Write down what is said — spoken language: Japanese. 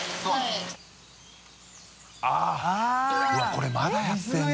これまだやってるんだ。